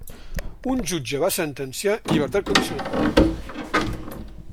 Un jutge va sentenciar llibertat condicional.